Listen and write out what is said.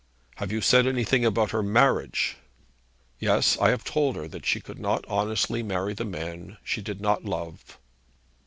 'Have you said anything about her marriage?' 'Yes. I have told her that she could not honestly marry the man she did not love.'